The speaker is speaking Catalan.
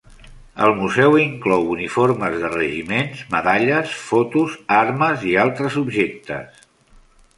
El museu inclou uniformes de regiments, medalles, fotos, armes i altres objectes.